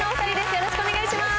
よろしくお願いします。